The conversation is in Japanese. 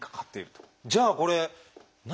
じゃあこれ何？